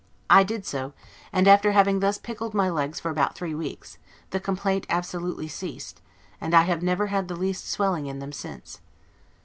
I did so; and after having thus pickled my legs for about three weeks, the complaint absolutely ceased, and I have never had the least swelling in them since.